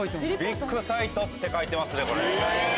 「ビッグサイト」って書いてますね。